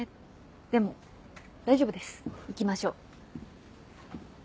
でも大丈夫です行きましょう。